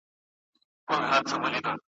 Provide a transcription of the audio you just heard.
پرې به نه ږدمه چي يو سړى پر لار وي `